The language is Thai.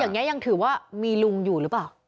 อย่างนี้ยังถือว่ามีลุงอยู่หรือเปล่า